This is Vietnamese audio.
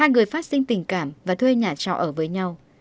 hai người phát sinh tình cảm và thuê nhà trọ ở với nhau